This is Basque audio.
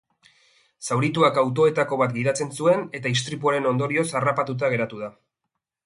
Zauritua autoetako bat gidatzen zuen eta istripuaren ondorioz harrapatuta geratu da.